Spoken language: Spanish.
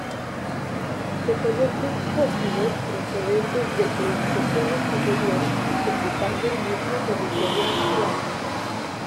Se conocen fósiles procedentes del Pleistoceno Superior, ocupando el mismo territorio actual.